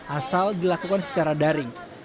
asal dilakukan secara daring